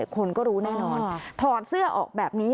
คนก็รู้แน่นอนถอดเสื้อออกแบบนี้